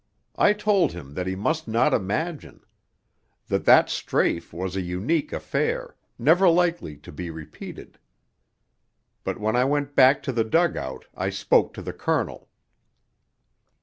I told him that he must not imagine; that that strafe was an unique affair, never likely to be repeated. But when I went back to the dug out I spoke to the Colonel.